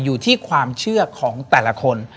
อยู่ที่ความเชื่อของแต่ละคน